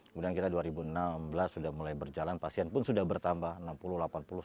kemudian kita dua ribu enam belas sudah mulai berjalan pasien pun sudah bertambah